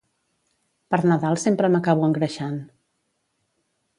Per Nadal sempre m'acabo engreixant.